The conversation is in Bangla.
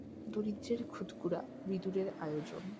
দরিদ্রের খুদকুঁড়া, বিদুরের আয়োজন।